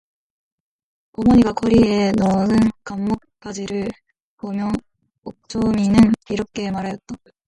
어머니가 고리에 넣은 광목 바지를 보며 옥점이는 이렇게 말하였다.